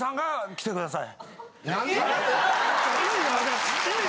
来てください。